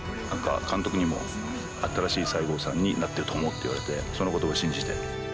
何か監督にも新しい西郷さんになっていると思うって言われてその言葉信じて。